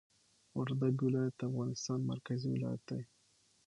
وردګ ولایت د افغانستان مرکزي ولایت دي